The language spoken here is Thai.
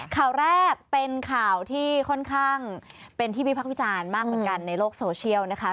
ข่าวแรกเป็นข่าวที่ค่อนข้างเป็นที่วิพักษ์วิจารณ์มากเหมือนกันในโลกโซเชียลนะคะ